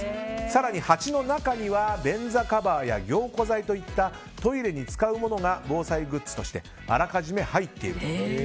更に鉢の中には便座カバーや凝固剤といったトイレに使うものが防災グッズとしてあらかじめ入っていると。